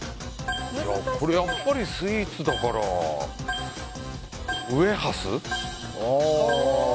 やっぱりスイーツだからウエハース？